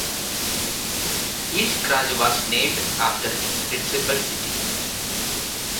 Each kraj was named after its principal city.